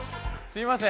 すみません。